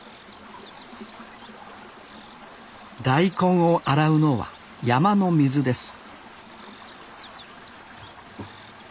大根を洗うのは山の水です